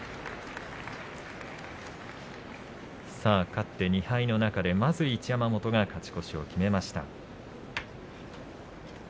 勝って２敗の中でまず、一山本が勝ち越しを決めました。